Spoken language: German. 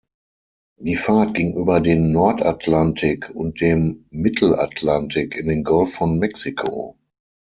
Die Fahrt ging über den Nordatlantik und dem Mittelatlantik in den Golf von Mexiko.